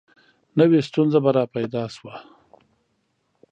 نوي ستونزه به را پیدا شوه.